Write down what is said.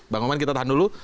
bang oman kita tahan dulu